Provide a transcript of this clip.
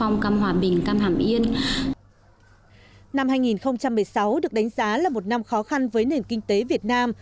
năm hai nghìn một mươi sáu được đánh giá là một năm khó khăn với nền kinh tế việt nam